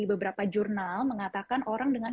beberapa jurnal mengatakan orang dengan